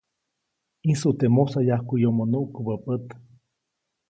ʼĨjsut teʼ mosayajkuʼyomo nuʼkubä pät.